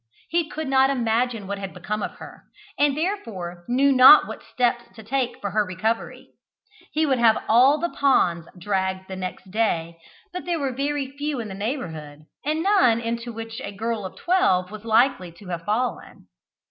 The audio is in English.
He could not imagine what had become of her, and therefore knew not what steps to take for her recovery. He would have all the ponds dragged next day, but there were very few in the neighbourhood, and none into which a girl of twelve was likely to have fallen.